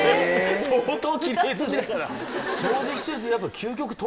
相当きれい好きだから。